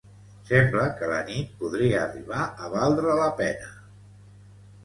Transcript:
Sembla que la nit podria arribar a valdre la pena.